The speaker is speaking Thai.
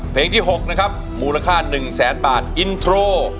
เพลงที่๖นะครับมูลค่า๑แสนบาทอินโทร